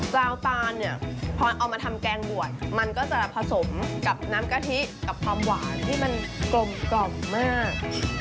ซาวตาลเนี่ยพอเอามาทำแกงบวชมันก็จะผสมกับน้ำกะทิกับความหวานที่มันกลมมาก